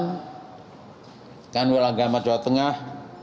jajaran kanwil agama jawa tengah